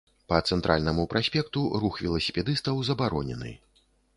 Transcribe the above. Па цэнтральнаму праспекту рух веласіпедыстаў забаронены.